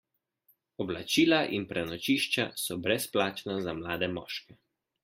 Oblačila in prenočišča so brezplačna za mlade moške.